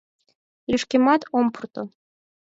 Лишкемат ом пурто!..